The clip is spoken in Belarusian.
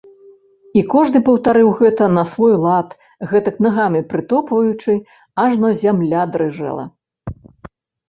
І кожны паўтарыў гэта на свой лад, гэтак нагамі прытопваючы, ажно зямля дрыжэла.